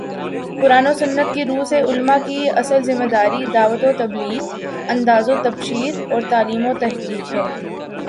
قرآن و سنت کی رو سے علما کی اصل ذمہ داری دعوت و تبلیغ، انذار و تبشیر اور تعلیم و تحقیق ہے